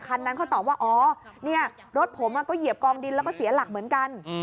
คันนั้นเขาตอบว่าอ๋อเนี่ยรถผมก็เหยียบกองดินแล้วก็เสียหลักเหมือนกัน